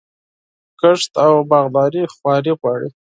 کښت او باغداري خواري غواړي.